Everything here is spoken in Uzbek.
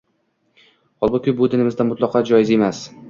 Holbuki bu dinimizda mutlaqo joiz emas